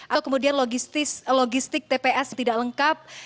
atau kemudian logistik tps tidak lengkap